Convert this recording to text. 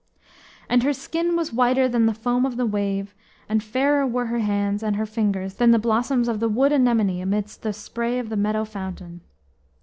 ] and her skin was whiter than the foam of the wave, and fairer were her hands and her fingers than the blossoms of the wood anemone amidst the spray of the meadow fountain.